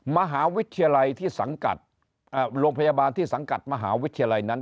มหาวิทยาลัยที่สังกัดโรงพยาบาลที่สังกัดมหาวิทยาลัยนั้น